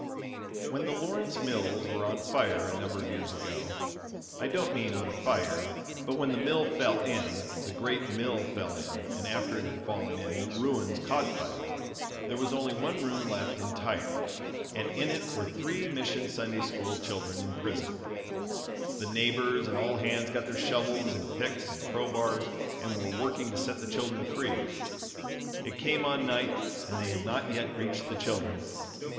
"] When the Lawrence Mills were on fire a number of years ago I don't mean on fire, but when the mill fell in the great mill fell in, and after it had fallen in, the ruins caught fire, there was only one room left entire, and in it were three Mission Sunday School children imprisoned. The neighbors and all hands got their shovels and picks and crowbars and were working to set the children free. It came on night and they had not yet reached the children.